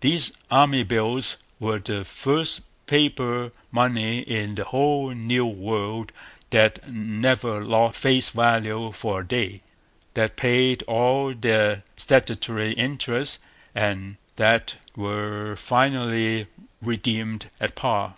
These Army Bills were the first paper money in the whole New World that never lost face value for a day, that paid all their statutory interest, and that were finally redeemed at par.